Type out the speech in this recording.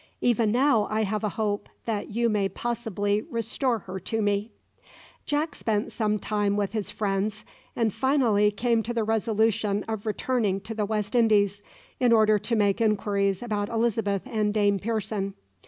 Even now I have a hope that you may possibly restore her to me." Jack spent some time with his friends, and finally came to the resolution of returning to the West Indies, in order to make inquiries about Elizabeth and Dame Pearson.